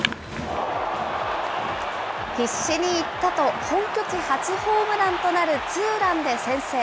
必死にいったと、本拠地初ホームランとなるツーランで先制。